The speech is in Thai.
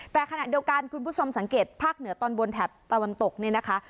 แต่ขณะเดียวกันคุณผู้ชมสังเกตภาคเหนือตอนบนแถบตะวันตกเนี่ยนะคะ